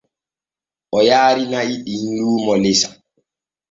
O yaari na'i ɗin luumo lesa.